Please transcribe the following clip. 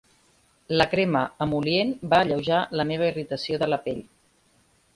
La crema emol·lient va alleujar la meva irritació de la pell.